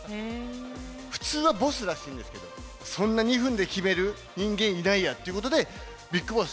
普通はボスらしいんですけど、そんな２分で決める人間いないやということで、ビッグボス。